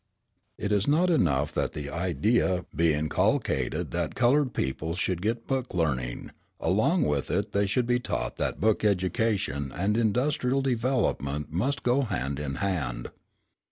It is not enough that the idea be inculcated that coloured people should get book learning; along with it they should be taught that book education and industrial development must go hand in hand.